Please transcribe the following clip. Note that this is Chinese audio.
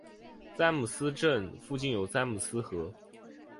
詹姆斯镇附近有詹姆斯河。